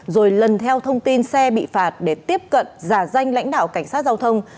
rồi lần theo thông tin xe bị phạt để tiếp cận giả danh lãnh đạo cảnh sát giao thông